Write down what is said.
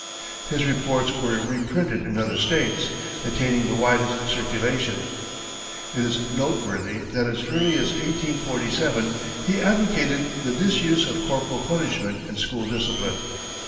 His reports were reprinted in other states, attaining the widest circulation. It is noteworthy that as early as 1847, he advocated the disuse of corporal punishment in school discipline.